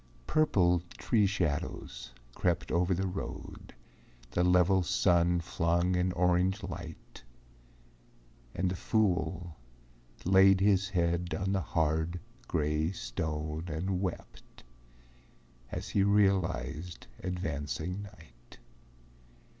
Purple tree shadows crept over the road, The level sun flung an orange light, And the fool laid his head on the hard, gray stone And wept as he realized advancing night.